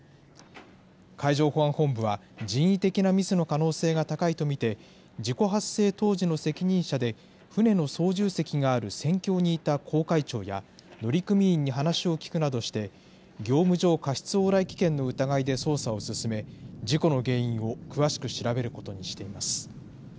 海上保安本部は、人為的なミスの可能性が高いと見て、事故発生当時の責任者で、船の操縦席がある船橋にいた航海長や、乗組員に話を聞くなどして、業務上過失往来危険の疑いで捜査を進め、事故の原因を詳しく調べることにしています。